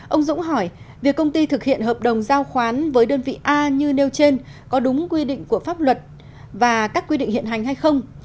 ông dũng hỏi việc công ty thực hiện hợp đồng giao khoán với đơn vị a như nêu trên có đúng quy định của pháp luật và các quy định hiện hành hay không